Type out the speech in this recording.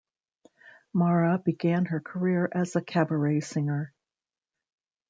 Maura began her career as a cabaret singer.